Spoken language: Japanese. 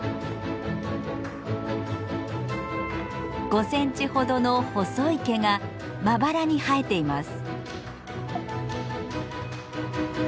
５センチほどの細い毛がまばらに生えています。